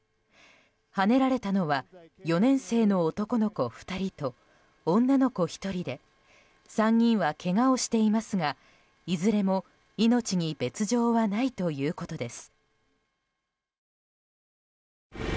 はねられたのは４年生の男の子２人と女の子１人で３人はけがをしていますがいずれも命に別条はないということです。